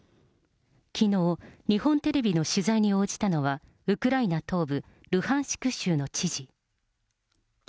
きのう、日本テレビの取材に応じたのは、ウクライナ東部、ルハンシク州の知事。